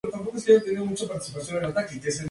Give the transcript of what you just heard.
Es el cuarto y último equipo al que se debe enfrentar.